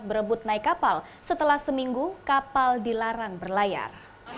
berebut naik kapal setelah seminggu kapal dilarang berlayar